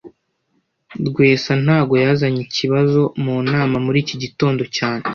Rwesa ntago yazanye ikibazo mu nama muri iki gitondo cyane